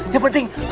yang penting asik